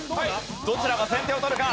どちらが先手を取るか？